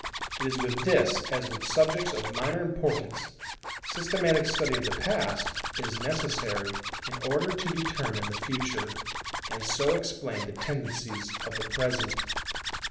It is with this as with subjects of minor importance: systematic study of the Past is necessary in order to determine the Future, and so explain the tendencies of the Present.